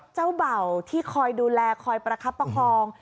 เจ้าเบ่าที่คอยดูแลคอยประคับประคอง